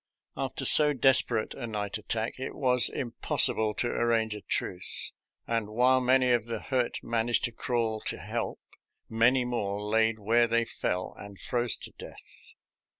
After so des perate a night attack it was impossible to ar range a truce, and while many of the hurt man aged to crawl to help, many more laid where they fell and froze to death.